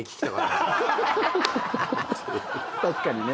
確かにね。